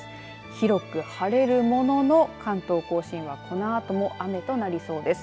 広く晴れるものの関東甲信はこのあとも雨となりそうです。